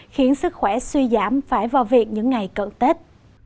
khiến sức khỏe suy giảm phải vào việc những ngày cận tết